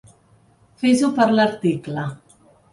Fes-ho per l'article.